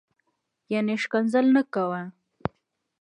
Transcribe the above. یعنی شکنځل نه کوه